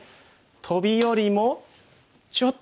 トビよりもちょっと強く。